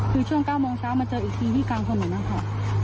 คือช่วง๙โมงเช้ามาเจออีกทีที่กลางถนนนะคะ